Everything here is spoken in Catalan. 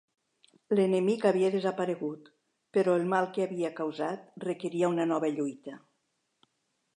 L'enemic havia desaparegut, però el mal que havia causat requeria una nova lluita.